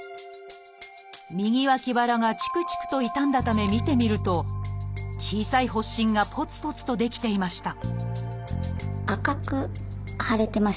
右脇腹がチクチクと痛んだため見てみると小さい発疹がポツポツと出来ていました